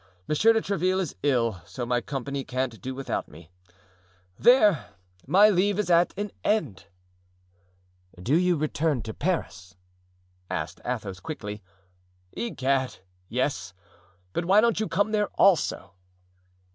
Monsieur de Tréville is ill, so my company can't do without me; there! my leave is at an end!" "Do you return to Paris?" asked Athos, quickly. "Egad! yes; but why don't you come there also?"